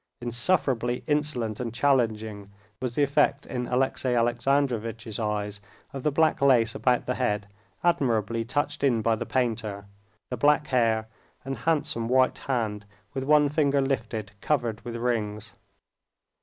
Insufferably insolent and challenging was the effect in Alexey Alexandrovitch's eyes of the black lace about the head, admirably touched in by the painter, the black hair and handsome white hand with one finger lifted, covered with rings.